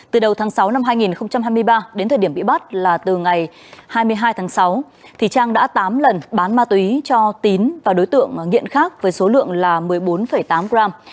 từ đầu tháng sáu năm hai nghìn hai mươi ba đến thời điểm bị bắt là từ ngày hai mươi hai tháng sáu trang đã tám lần bán ma túy cho tín và đối tượng nghiện khác với số lượng là một mươi bốn tám gram